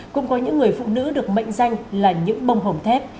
cũng có những người phụ nữ được mệnh danh là những bông hồng thép